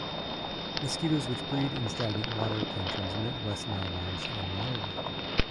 Mosquitoes, which breed in stagnant water, can transmit West Nile virus and malaria.